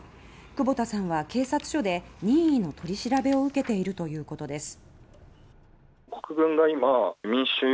クボタさんは警察署で任意の取り調べを受けているということです。